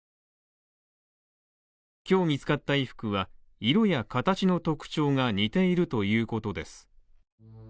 今日見つかった衣服は色や形の特徴が似ているということです